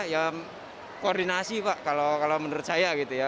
yang kurang dari prakerja ya koordinasi pak kalau menurut saya gitu ya